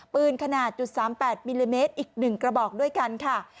ปืนขนาด๓๘มิลลิเมตรอีก๑กระบอกด้วยกันค่ะ